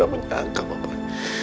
gak menyangka bapak